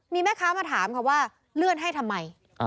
มีแม่ค้ามาถามค่ะว่าเลื่อนให้ทำไม